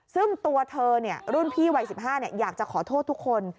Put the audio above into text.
ซึ่งตัวเธอรุ่นพี่วัย๑๕อยากจะขอโทษทุกคน